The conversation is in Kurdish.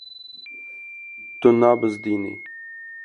Tu nabizdînî.